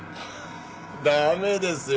駄目ですよ